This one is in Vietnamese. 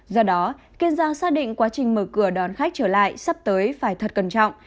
do đó kiên giang xác định quá trình mở cửa đón khách trở lại sắp tới phải thật cẩn trọng